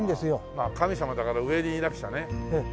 まあ神様だから上にいなくちゃね。